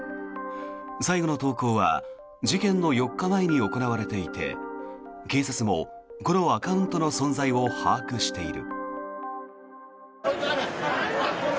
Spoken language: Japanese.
最後の投稿は事件の４日前に行われていて警察もこのアカウントの存在を把握している。